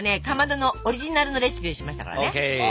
かまどのオリジナルのレシピにしましたからね。